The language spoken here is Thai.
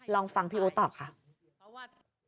ลองฟังพี่โอ๊ตตอบค่ะ